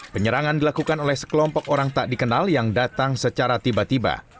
penyerangan dilakukan oleh sekelompok orang tak dikenal yang datang secara tiba tiba